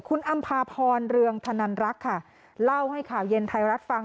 คุณอำพาพรเรืองธนันรักค่ะเล่าให้ข่าวเย็นไทยรัฐฟัง